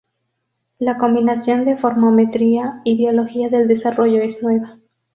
La combinación de Morfometría y biología del desarrollo es nueva.